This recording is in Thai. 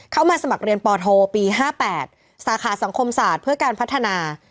มาสมัครเรียนปโทปี๕๘สาขาสังคมศาสตร์เพื่อการพัฒนา